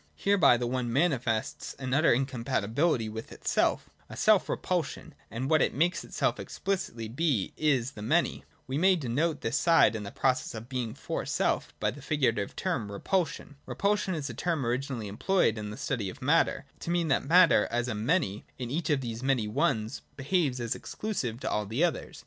Hereby the One manifests an utter incompatibility with itself, a self repulsion : and what it makes itself explicitly be, is the Many. We may denote this side in the process of Being for self by the figurative term Repulsion. Repulsion is a term originally employed in the study of matter, to mean that matter, as a Many, in each of these many Ones, behaves as exclusive to all the others.